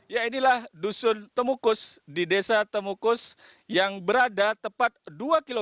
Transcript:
ya inilah dusun temukus di desa temukus yang berada di tempat ini